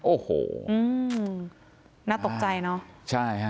โอ้โหน่าตกใจเนาะ